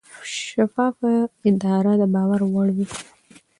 شفافه اداره د باور وړ وي.